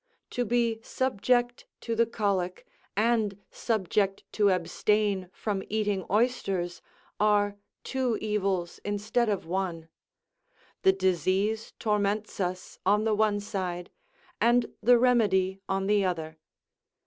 To be subject to the colic and subject to abstain from eating oysters are two evils instead of one; the disease torments us on the one side, and the remedy on the other.